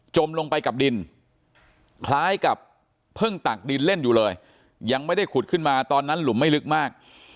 ลงไปกับดินคล้ายกับเพิ่งตักดินเล่นอยู่เลยยังไม่ได้ขุดขึ้นมาตอนนั้นหลุมไม่ลึกมาก